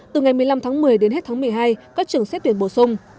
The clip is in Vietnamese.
từ ngày một mươi năm tháng một mươi đến hết tháng một mươi hai các trường xét tuyển bổ sung